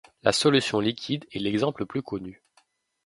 La solution liquide est l'exemple le plus connu.